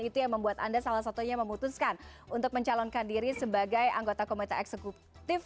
itu yang membuat anda salah satunya memutuskan untuk mencalonkan diri sebagai anggota komite eksekutif